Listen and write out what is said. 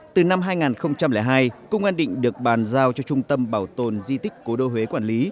từ năm hai nghìn hai công an định được bàn giao cho trung tâm bảo tồn di tích cố đô huế quản lý